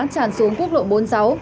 tràn xuống quốc lộ bốn mươi sáu